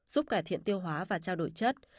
giúp cải thiện tiêu hóa và trao đổi chất